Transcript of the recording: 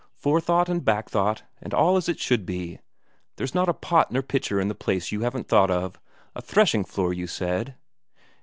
Fore thought and back thought and all as it should be. There's not a pot nor pitcher in the place you haven't thought of. A threshing floor, you said?"